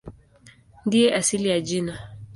Ndiyo asili ya jina.